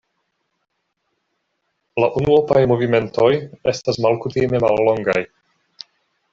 La unuopaj movimentoj estas malkutime mallongaj.